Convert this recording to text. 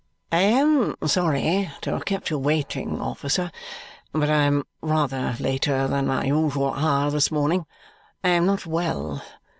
"I am sorry to have kept you waiting, officer, but I am rather later than my usual hour this morning. I am not well.